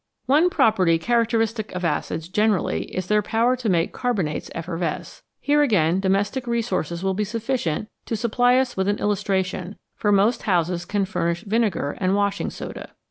One property characteristic of acids generally is their power to make carbonates effervesce. Here again domestic resources will be sufficient to supply us with an illustra tion, for most houses can furnish vinegar and washing soda.